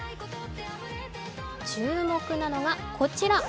注目なのが、こちら。